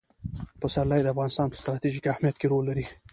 پسرلی د افغانستان په ستراتیژیک اهمیت کې رول لري.